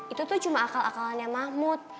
itu tuh cuma akal akalannya mahmud